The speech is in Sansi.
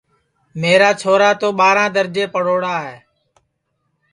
میرا چھورا تو ٻاراں درجے پڑھوڑا ہے